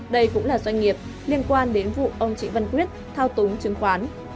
đây cũng là doanh nghiệp liên quan đến vụ ông trịnh văn quyết thao túng chứng khoán